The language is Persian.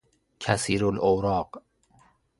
کثیرالاوراق